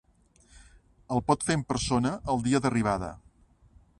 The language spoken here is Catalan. El pot fer en persona el dia d'arribada.